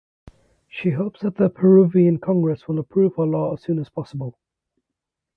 She hopes that the Peruvian Congress will approve her law as soon as possible.